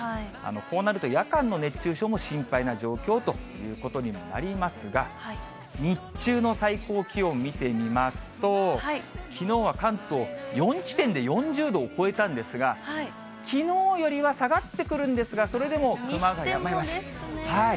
こうなると夜間の熱中症も心配な状況ということになりますが、日中の最高気温見てみますと、きのうは関東４地点で４０度を超えたんですが、きのうよりは下がってくるんですが、それでも熊谷、にしてもですね。